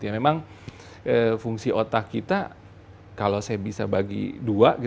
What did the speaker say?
memang fungsi otak kita kalau saya bisa bagi dua